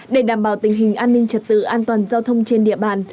để đảm bảo tình hình an ninh trật tự an toàn giao thông trên địa bàn